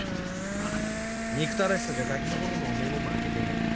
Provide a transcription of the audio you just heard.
まっ憎たらしさじゃガキの頃のおめぇも負けてねえ。